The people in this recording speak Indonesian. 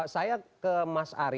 saya ke mas ari